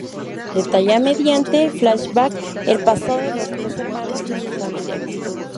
Detalla mediante flashbacks el pasado de los tres hermanos y sus familias.